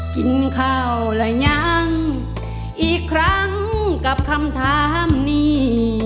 กินข้าวหรือยังอีกครั้งกับคำถามนี้